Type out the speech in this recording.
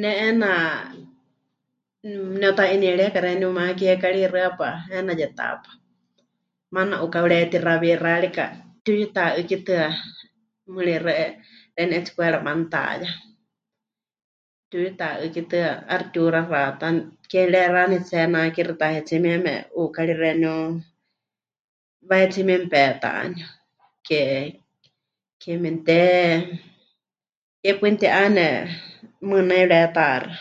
Ne 'eena ne'uta'inieríeka xeeníu humá kiekari hixɨ́apa 'eena Yetaápa, maana 'uká pɨretixá wixárika, pɨtiuyuta'ɨ́kitɨa mɨɨkɨ́ rixɨa xeeníu 'etsikwera manutaya, mɨtiuyuta'ɨ́kitɨa, 'aixɨ pɨtiuxaxata, ke mɨrexá pɨnetsihenakixɨ tahetsíe mieme, 'ukári xeeníu wahetsíe mieme petaniu, ke... ke memɨte... ke paɨ mɨti'ane, mɨɨkɨ nai pɨretaxá.